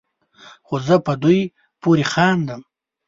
خو زه په دوی پورې خاندم